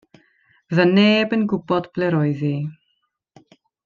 Fyddai neb yn gwybod ble roedd hi.